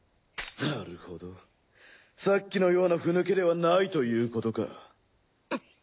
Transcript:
なるほどさっきのようなふぬけではないということか。